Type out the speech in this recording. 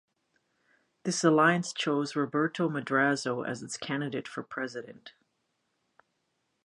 This alliance chose Roberto Madrazo as its candidate for president.